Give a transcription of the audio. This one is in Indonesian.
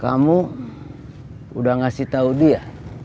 kamu udah ngasih tahu dia